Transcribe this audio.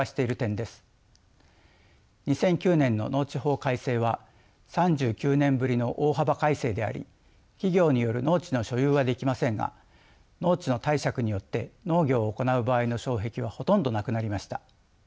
２００９年の農地法改正は３９年ぶりの大幅改正であり企業による農地の所有はできませんが農地の貸借によって農業を行う場合の障壁はほとんどなくなりました。